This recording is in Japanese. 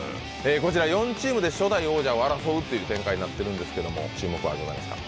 こちら４チームで初代王者を争うという展開になってるんですけども注目はございますか？